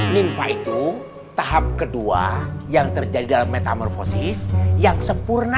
ninfa itu tahap kedua yang terjadi dalam metamorfosis yang sempurna